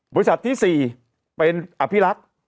บริษัทที่๔เป็นอภิรักษ์